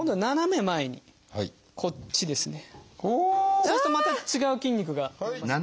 そうするとまた違う筋肉が伸びますね。